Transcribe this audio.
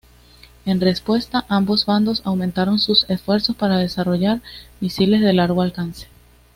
En respuesta, ambos bandos aumentaron sus esfuerzos para desarrollar misiles de largo alcance.